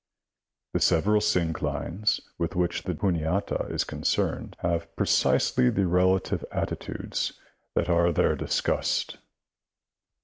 The several synclines with which the Juniata is concerned have precisely the relative attitudes that are there discussed.